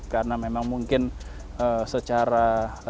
karena memang mungkin secara